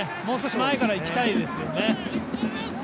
もう少し前からいきたいですね。